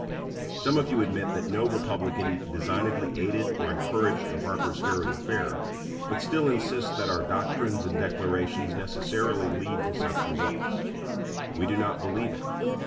Some of you admit that no Republican designedly aided or encouraged the Harper's Ferry affair, but still insist that our doctrines and declarations necessarily lead to such results. We do not believe it.